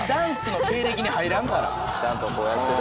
ちゃんとこうやってた？